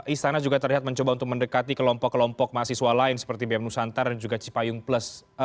istana juga terlihat mencoba untuk mendekati kelompok kelompok mahasiswa lain seperti bm nusantara dan juga cipayung plus